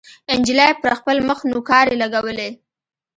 نجلۍ پر خپل مخ نوکارې لګولې.